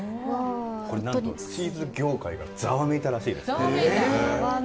何とチーズ業界がざわめいたらしいです。